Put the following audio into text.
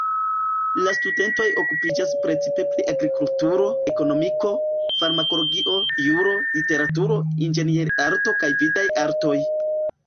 La studentoj okupiĝas precipe pri agrikulturo, ekonomiko, farmakologio, juro, literaturo, inĝenierarto kaj vidaj artoj.